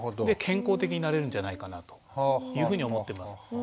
で健康的になれるんじゃないかなというふうに思っています。